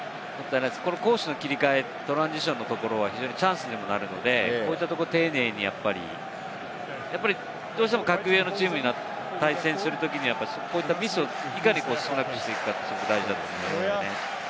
攻守の切り替え、トランジションのところはチャンスにもなるので、もうちょっと丁寧に、どうしても格上のチームに対戦するときには、こういったミスをいかに少なくしていくかが大事だと思います。